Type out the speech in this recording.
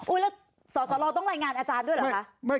แล้วสสลต้องรายงานอาจารย์ด้วยเหรอคะ